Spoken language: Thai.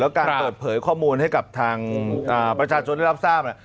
การเปิดเผยข้อมูลให้กับทางประชาชนได้รับทราบ